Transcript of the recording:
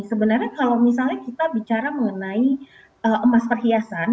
sebenarnya kalau misalnya kita bicara mengenai emas perhiasan